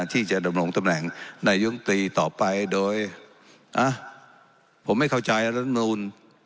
ที่จะหลบหลงตำแหน่งในยุคตีต่อไปโดยอ่าผมไม่เข้าใจธรรมนุน